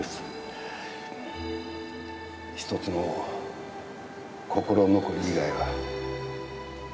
一つの心残り以外は。